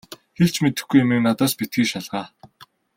Хэлж мэдэхгүй юмыг надаас битгий шалгаа.